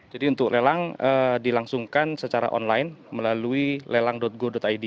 jadi untuk lelang dilangsungkan secara online melalui lelang go id